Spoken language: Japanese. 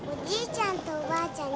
ちゃんとおばあちゃん